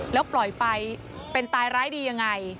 แล้วปล่อยไปเป็นตายร้ายดียังไง